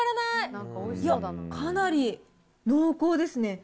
いや、かなり濃厚ですね。